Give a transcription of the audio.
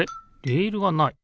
レールがない。